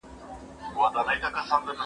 اسراف او تبذیر دولت د تباهۍ لور ته بیايي.